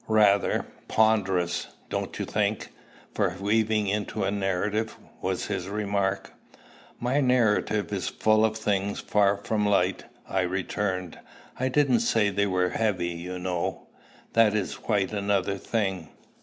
"Rather ponderous, don't you think, for weaving into a narrative?" was his remark. "My narrative is full of things far from light," I returned. "I didn't say they were heavy, you know. That is quite another thing."